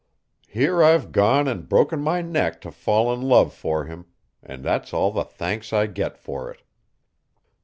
"Here I've gone and broken my neck to fall in love for him and that's all the thanks I get for it.